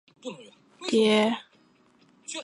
此专辑亦是他首张个人国语大碟。